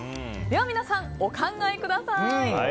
皆さん、お考えください！